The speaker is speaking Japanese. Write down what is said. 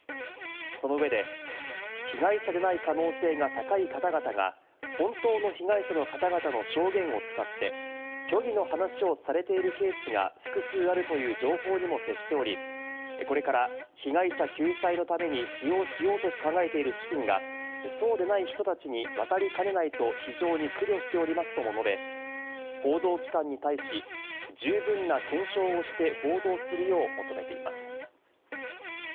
その上で被害者でない可能性が高い方々が本当の被害者の方々の証言を使って、虚偽の話をされているケースが複数あるという情報にも接しており、これから被害者救済のために使用しようと考えている資金がそうでない人たちに渡りかねないと非常に苦慮しておりますとも述べ、報道機関に対し、十分な検証をして報道するよう求めています。